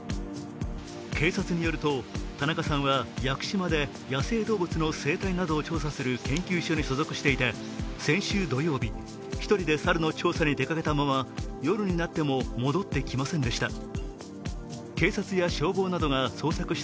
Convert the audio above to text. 警察によると田中さんは屋久島で野生動物の生態などを調査する研究所に所属していて先週土曜日、１人で猿の調査に出かけたまま夜になっても戻ってきませんでした。